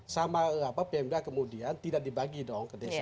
sama pmd kemudian tidak dibagi dong ke desa